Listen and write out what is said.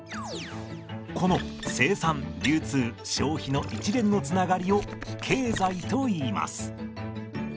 この生産流通消費の一連のつながりを経済といいます。